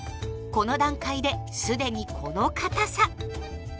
この段階で既にこのかたさ。